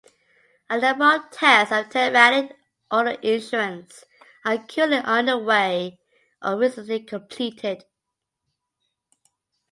A number of tests of telematic auto insurance are currently underway or recently completed.